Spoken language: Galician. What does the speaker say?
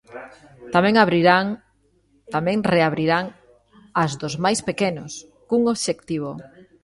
Tamén reabrirán as dos máis pequenos, cun obxectivo.